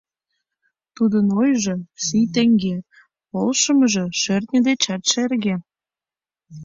Тудын ойжо — ший теҥге, полшымыжо шӧртньӧ дечат шерге.